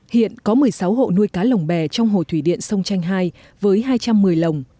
hiện có một mươi sáu hộ nuôi cá lồng bè trong hồ thủy điện sông chanh hai với hai trăm một mươi lồng